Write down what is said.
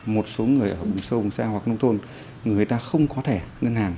một số người ở bùi sông xe hoặc nông thôn người ta không có thẻ ngân hàng